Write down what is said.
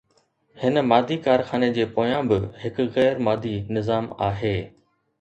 هن مادي ڪارخاني جي پويان به هڪ غير مادي نظام آهي